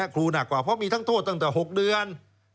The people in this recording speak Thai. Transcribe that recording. ครูหนักกว่าเพราะมีทั้งโทษตั้งแต่๖เดือน